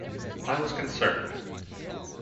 I was concerned.